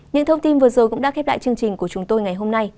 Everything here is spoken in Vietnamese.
những thông tin vừa rồi cũng đã khép lại chương trình của chúng tôi ngày hôm nay